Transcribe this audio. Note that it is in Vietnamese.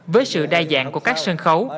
với sự đa dạng của các sân khấu